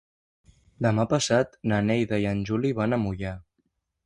Demà passat na Neida i en Juli van a Moià.